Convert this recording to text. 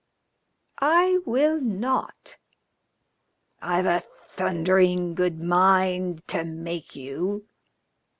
"I will not." "I've a thundering good mind to make you."